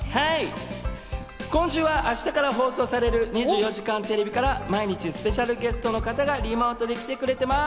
今週は明日から放送される『２４時間テレビ』から毎日スペシャルゲストの方がリモートで来てくれてます。